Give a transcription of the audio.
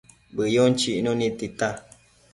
Bëyun chicnu nid tita